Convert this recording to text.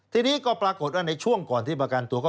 ทีนี้ก็ปรากฏว่าในช่วงก่อนที่ประกันตัวก็